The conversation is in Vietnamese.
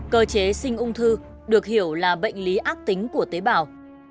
cơ chế sinh ung thư được hiểu là bệnh lý ác tính của tế bào